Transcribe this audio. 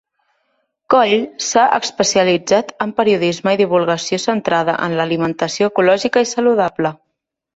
Coll s'ha especialitzat en periodisme i divulgació centrada en l'alimentació ecològica i saludable.